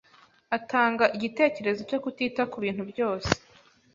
Atanga igitekerezo cyo kutita kubintu byose.